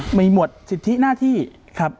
ไม่หมดสิทธิหน้าที่ครับ